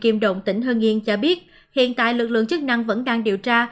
kiêm động tỉnh hưng yên cho biết hiện tại lực lượng chức năng vẫn đang điều tra